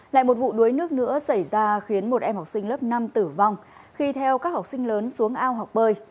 lại một vụ đuối nước nữa xảy ra khiến một em học sinh lớp năm tử vong khi theo các học sinh lớn xuống ao học bơi